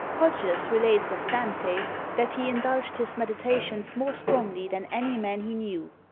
Poggius relates of Dante, that he indulged his meditations more strongly than any man he knew!